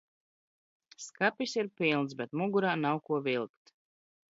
Skapis ir pilns, bet mugurā nav, ko vilkt.